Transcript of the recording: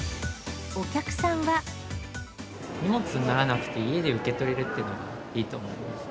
荷物にならなくて、家で受け取れるというのはいいと思いますね。